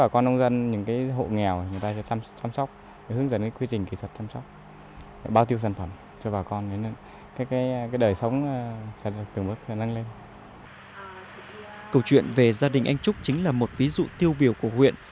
câu chuyện về gia đình anh trúc chính là một ví dụ tiêu biểu của huyện